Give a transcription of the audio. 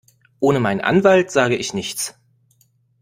Ohne meinen Anwalt sage ich nichts.